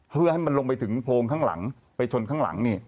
เพื่อให้มันลงไปถึงโพรงข้างหลังไปชนข้างหลังนี่